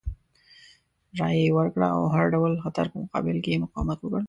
رایه یې ورکړه او د هر ډول خطر په مقابل کې یې مقاومت وکړ.